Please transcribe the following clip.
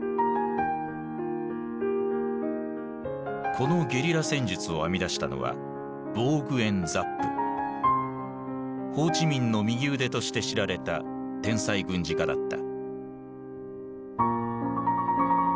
このゲリラ戦術を編み出したのはホー・チ・ミンの右腕として知られた天才軍事家だった。